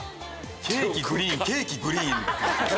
ケーキグリーンケーキグリーン。